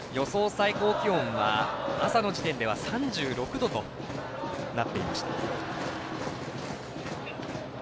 最高気温は朝の時点では３６度となっていました。